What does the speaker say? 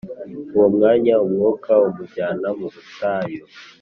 “Uwo mwanya Umwuka amujyana mu butayu